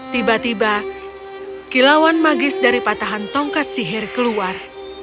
tiba tiba kilauan magis dari patahan tongkat sihir keluar